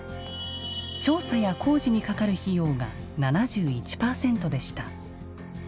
「調査や工事にかかる費用」が７１％でした。